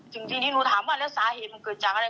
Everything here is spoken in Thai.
จริงนี่มาถามว่าสาเหตุมันเกิดจากอะไร